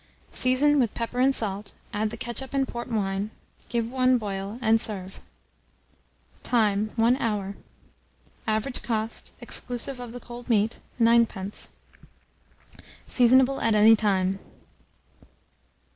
Season with pepper and salt, add the ketchup and port wine, give one boil, and serve. Time. 1 hour. Average cost, exclusive of the cold meat, 9d. Seasonable at any time.